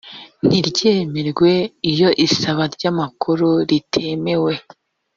ntiryemerwe iyo isabwa ry amakuru ritemewe